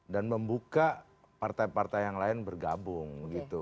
dan membuka partai partai yang lain bergabung